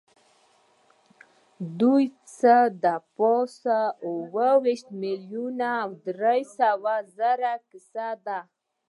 دوی څه د پاسه اووه ویشت میلیونه او درې سوه زره کسه دي.